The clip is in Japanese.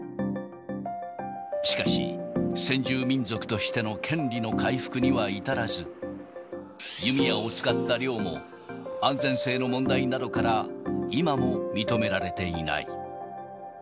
しかし、先住民族としての権利の回復には至らず、弓矢を使った猟も、安全性の問題などから今も認められていない。